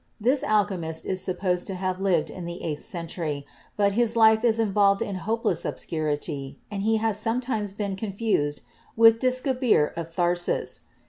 This alchemist is supposed to have lived in the eighth century, but his life is involved in hopeless obscurity and he has sometimes been confused with Dschabir of Tharsis.